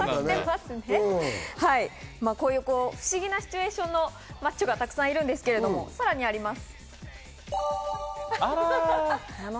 不思議なシチュエーションのマッチョがたくさんいるんですけど、さらにあります。